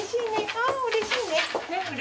ああうれしいね。